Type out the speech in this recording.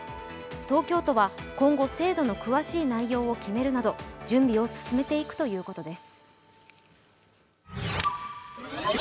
東京都は今後、制度の詳しい内容を決めるなど準備を進めていくということです。